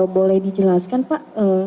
boleh dijelaskan pak